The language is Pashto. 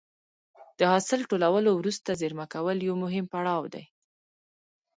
د حاصل ټولولو وروسته زېرمه کول یو مهم پړاو دی.